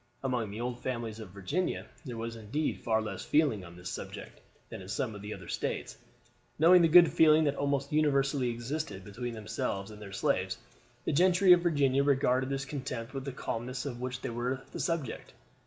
Among the old families of Virginia there was indeed far less feeling on this subject than in some of the other States. Knowing the good feeling that almost universally existed between themselves and their slaves, the gentry of Virginia regarded with contempt the calumnies of which they were the subject.